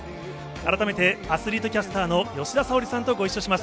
改めてアスリートキャスターの吉田沙保里さんとご一緒します。